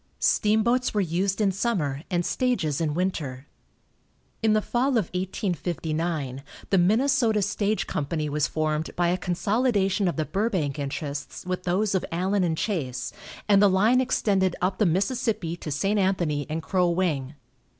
Steamboats were used in summer and stages in winter. In the fall of 1859 the Minnesota Stage Company was formed by a consolidation of the Burbank interests with those of Allen & Chase, and the line extended up the Mississippi to St. Anthony and Crow Wing.